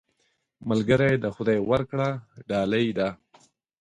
ملګری د خدای ورکړه ډالۍ ده